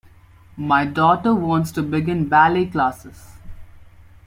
My daughter wants to begin ballet classes.